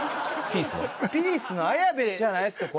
ピースの綾部じゃないですか？